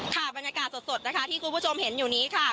บรรยากาศสดนะคะที่คุณผู้ชมเห็นอยู่นี้ค่ะ